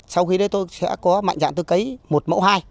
sau khi đấy tôi sẽ có mạnh dạng tôi cấy một mẫu hai